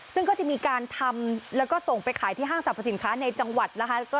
ซึ่งก็จะมีการทำแล้วก็ส่งไปขายที่ห้างสรรพสินค้าในจังหวัดนะคะ